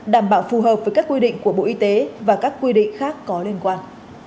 đảm bảo phù hợp với các quy định của bộ y tế và các quy định khác có liên quan